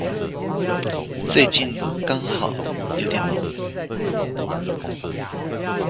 最近剛好有點忙